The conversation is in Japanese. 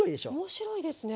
面白いですね。